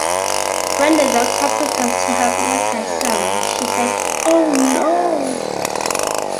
When the Doctor prepares to hypnotise Sarah, she says Oh, no!